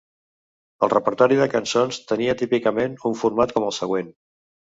El repertori de cançons tenia típicament un format com el següent.